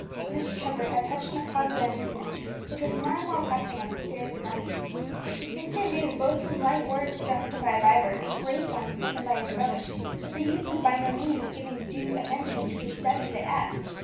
Mr. Trevor had touched on a cause of uneasiness which was more and more pressing on the spirits of Emmie. The sister knew, both from light words dropped by Vibert and grave ones spoken by his brother, that the youth was by no means giving due attention to his studies at S